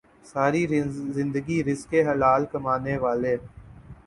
ساری زندگی رزق حلال کمانے والے